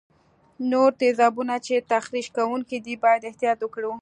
نور تیزابونه چې تخریش کوونکي دي باید احتیاط وکړو.